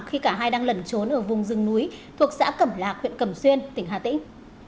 khi cả hai đang lẩn trốn ở vùng rừng núi thuộc xã cẩm lạc huyện cẩm xuyên tỉnh hà tĩnh